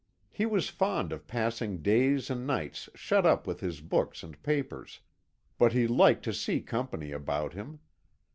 He was fond of passing days and nights shut up with his books and papers, but he liked to see company about him.